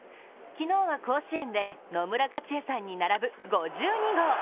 昨日は、甲子園で野村克也さんに並ぶ５２号。